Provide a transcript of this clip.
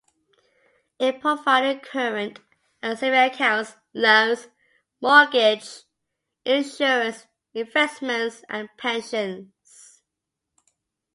It provided current and savings accounts, loans, mortgages, insurance, investments and pensions.